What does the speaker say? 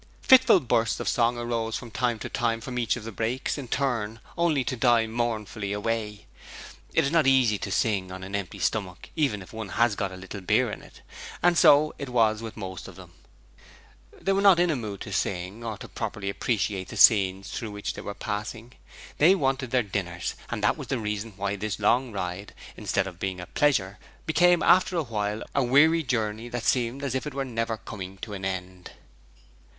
Fitful bursts of song arose from time to time from each of the brakes in turn, only to die mournfully away. It is not easy to sing on an empty stomach even if one has got a little beer in it; and so it was with most of them. They were not in a mood to sing, or to properly appreciate the scenes through which they were passing. They wanted their dinners, and that was the reason why this long ride, instead of being a pleasure, became after a while, a weary journey that seemed as if it were never coming to an end.